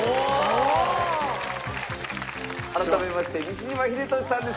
改めまして西島秀俊さんです。